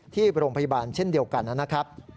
ที่โรงพยาบาลเช่นเดียวกันนะครับ